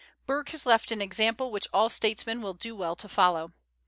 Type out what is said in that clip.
Burke has left an example which all statesmen will do well to follow.